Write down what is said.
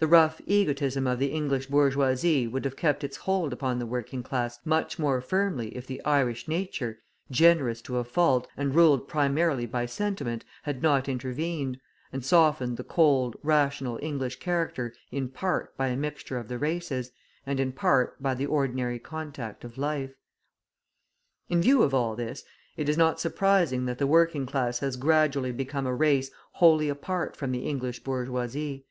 The rough egotism of the English bourgeoisie would have kept its hold upon the working class much more firmly if the Irish nature, generous to a fault, and ruled primarily by sentiment, had not intervened, and softened the cold, rational English character in part by a mixture of the races, and in part by the ordinary contact of life. In view of all this, it is not surprising that the working class has gradually become a race wholly apart from the English bourgeoisie.